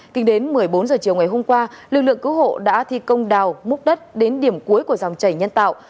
tính đến một mươi bốn h chiều ngày hôm qua lực lượng cứu hộ đã thi công đào múc đất đến điểm cuối của dòng chảy nhân tạo